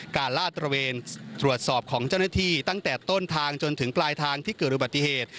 ลาดตระเวนตรวจสอบของเจ้าหน้าที่ตั้งแต่ต้นทางจนถึงปลายทางที่เกิดอุบัติเหตุ